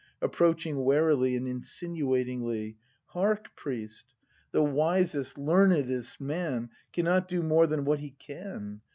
[Approaching warily and insinuatingly^ Hark, priest; the wisest, learned 'st man Cannot do more than what he can.